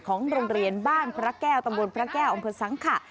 ของโรงเรียนบ้านพระแก้วตะวนพระแก้วอเมืองพลันธาษณ์สังข้า